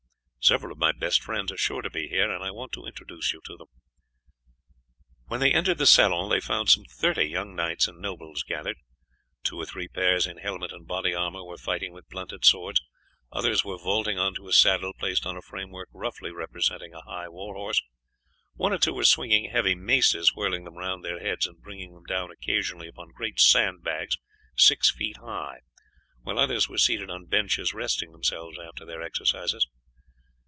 Several of my best friends are sure to be here, and I want to introduce you to them." When they entered the salon they found some thirty young knights and nobles gathered. Two or three pairs in helmet and body armour were fighting with blunted swords, others were vaulting on to a saddle placed on a framework roughly representing a high war horse; one or two were swinging heavy maces, whirling them round their heads and bringing them down occasionally upon great sand bags six feet high, while others were seated on benches resting themselves after their exercises.